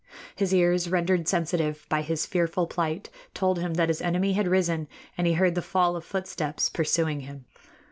His ears, rendered sensitive by his fearful plight, told him that his enemy had arisen, and he heard the fall of footsteps pursuing him.